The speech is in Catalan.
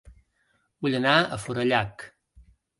Vull anar a Forallac